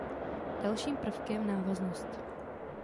Dalším prvkem návaznost.